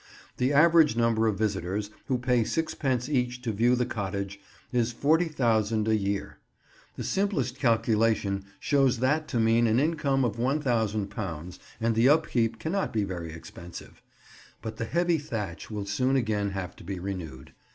The average number of visitors, who pay sixpence each to view the cottage, is 40,000 a year. The simplest calculation shows that to mean an income of £1000, and the upkeep cannot be very expensive. But the heavy thatch will soon again have to be renewed.